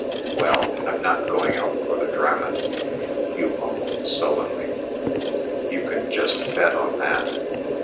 "Well, I'm not going out for the Dramat," Hugh mumbled sullenly; "you can just bet on that.